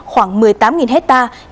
khoảng một mươi tám hectare